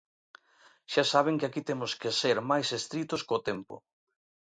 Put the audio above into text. Xa saben que aquí temos que ser máis estritos co tempo.